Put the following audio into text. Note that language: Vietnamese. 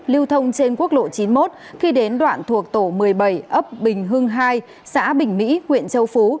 lưu thông trên quốc lộ chín mươi một khi đến đoạn thuộc tổ một mươi bảy ấp bình hưng hai xã bình mỹ huyện châu phú